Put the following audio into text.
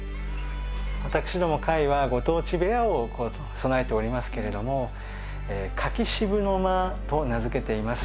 私ども界はご当地部屋を備えておりますけれども柿渋の間と名づけています。